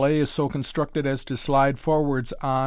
A is so constructed as to slide forwards on.